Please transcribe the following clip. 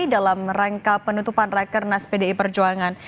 dalam rangka penutupan raker nas pdi perjuangan